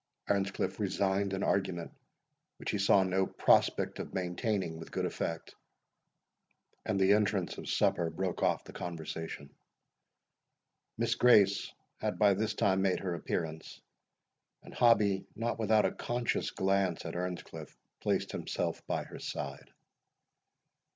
Earnscliff resigned an argument which he saw no prospect of maintaining with good effect, and the entrance of supper broke off the conversation. Miss Grace had by this time made her appearance, and Hobbie, not without a conscious glance at Earnscliff, placed himself by her side.